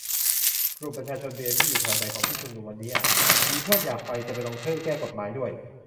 กลุ่ม ประชาชนเบียร์ นี่อยู่แถวไหนของที่ชุมนุมวันนี้อะ มีเพื่อนอยากไป จะไปลงชื่อแก้กฎหมายด้วย